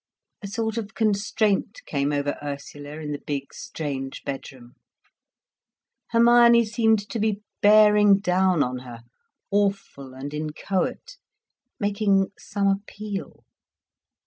A sort of constraint came over Ursula in the big, strange bedroom. Hermione seemed to be bearing down on her, awful and inchoate, making some appeal.